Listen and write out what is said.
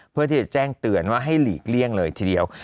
เพื่อที่จะแจ้งเตือนว่าให้หลีกเลี่ยงเลยทีเดียว